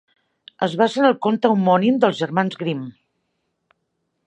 Es basa en el conte homònim dels germans Grimm.